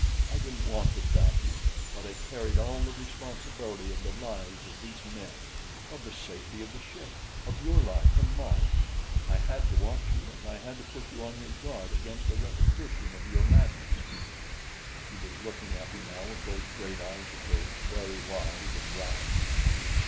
I didn't want to doubt you; but I carried all the responsibility of the lives of these men, of the safety of the ship, of your life and mine. I had to watch you, and I had to put you on your guard against a repetition of your madness." She was looking at me now with those great eyes of hers, very wide and round.